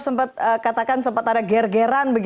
sempat katakan sempat ada gergeran